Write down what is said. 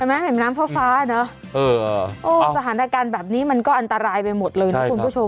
เห็นมั้ยเห็นน้ำฟ้าเนอะเอออ่าโอ้สถานการณ์แบบนี้มันก็อันตรายไปหมดเลยนะคุณผู้ชม